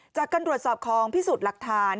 จากการตรวจสอบของพิสูจน์หลักฐาน